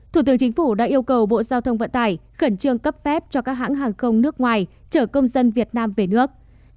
thủ tướng chính phủ đã yêu cầu bộ giao thông vận tải khẩn trương cấp phép cho các hãng hàng không nước ngoài chở công dân việt nam về nước